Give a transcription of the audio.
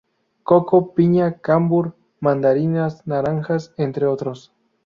Coco, piña, cambur, mandarinas, naranjas, entre otros.